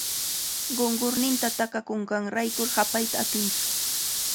Qunqurninta takakunqanrayku hapayta atintsu.